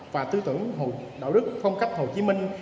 và tư tưởng đạo đức phong cách hồ chí minh